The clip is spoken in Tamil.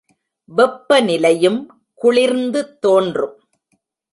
வெப்ப நிலையும் குளிர்ந்து தோன்றும்.